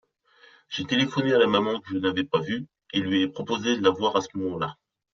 J’ai téléphoné à la maman que je n’avais pas vue, et lui ai proposé de la voir à ce moment-là.